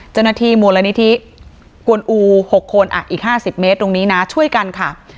เจ้าหน้าที่มูลนิธิกวนอู๖คนอีก๕๐เมตรตรงนี้นะช่วยกันค่ะ